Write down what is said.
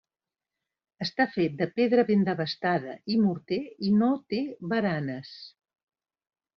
Està fet de pedra ben desbastada i morter i no té baranes.